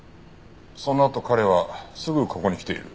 そのあと彼はすぐここに来ている。